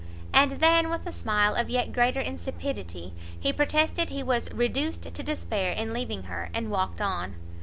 And then, with a smile of yet greater insipidity, he protested he was reduced to despair in leaving her, and walked on.